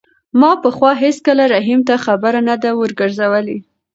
ما پخوا هېڅکله رحیم ته خبره نه ده ورګرځولې.